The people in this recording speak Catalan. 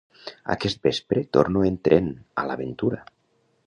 Aquest vespre torno en tren, a l'aventura!